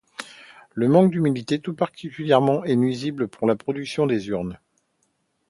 Le manque d'humidité tout particulièrement est nuisible pour la production des urnes.